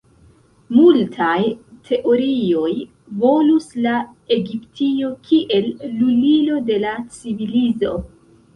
Multaj teorioj volus la Egiptio kiel lulilo de la civilizo.